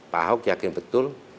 pak ahok yakin betul